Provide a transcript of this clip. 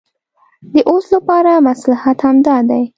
د اوس لپاره مصلحت همدا دی.